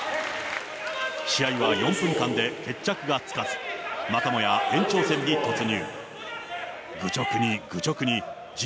試合は４分間で決着がつかず、またもや延長戦に突入。